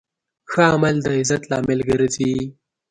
ښه عمل د عزت لامل ګرځي.